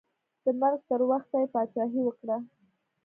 د مرګ تر وخته یې پاچاهي وکړه.